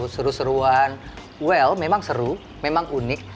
seru seruan well memang seru memang unik